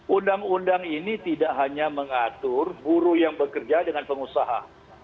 undang undang ini tidak hanya mengatur buruh yang bekerja dengan pengusaha